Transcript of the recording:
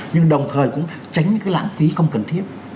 nhưng đồng thời cũng tránh cái lãng phí không cần thiết